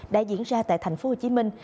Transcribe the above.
đã diễn ra tại thành phố hồ chí minh